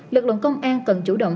lực lượng công an cần chủ động